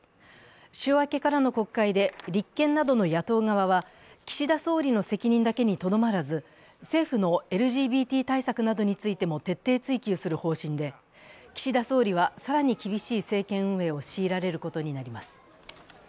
週明けからの国会で立憲などの野党側は、岸田総理の責任だけにとどまらず政府のＬＧＢＴ対策などについても徹底追及する方針で、岸田総理は更に厳しい政権運営を強いられることになります。